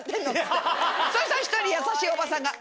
そしたら１人優しいおばさんが。